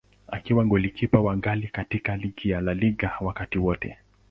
Akiwa golikipa wa ghali katika ligi ya La Liga wakati wote.